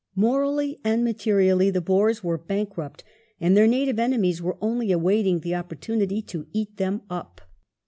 Morally and materially the Boers were bankrupt, and their native enemies were only awaiting the op portunity to " eat them up